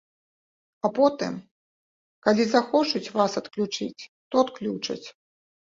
А потым, калі захочуць вас адключыць, то адключаць.